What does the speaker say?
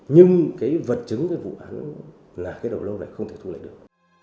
nhưng cái vật chứng cái vụ án là cái đầu lâu lại không thể thu lại được